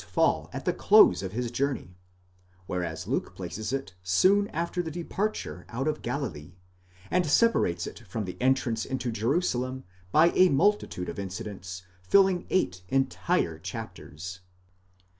fall at the close of his journey, whereas Luke places it soon after the departure out of Galilee, and separates it from the entrance into Jerusalem by a multi tude of incidents filling eight entire chapters.